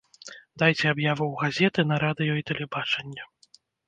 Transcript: Дайце аб'яву ў газеты, на радыё і тэлебачанне.